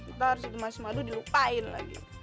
ntar siti manis madu dilupain lagi